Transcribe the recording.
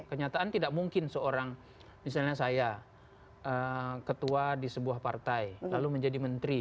kenyataan tidak mungkin seorang misalnya saya ketua di sebuah partai lalu menjadi menteri